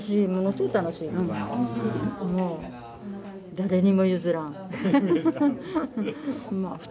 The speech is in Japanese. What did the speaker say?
誰にも譲らん？